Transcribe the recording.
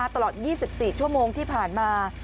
ตลอด๒๔ชั่วโมงที่ผ่านมา